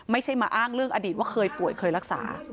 ไม่ใช่มาอ้างเรื่องอดีตว่าเคยป่วยเคยรักษา